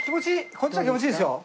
こっちは気持ちいいですよ。